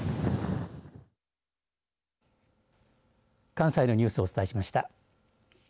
関西のニュースをお伝えしました。